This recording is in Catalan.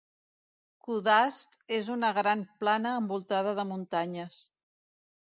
Kuhdasht és una gran plana envoltada de muntanyes.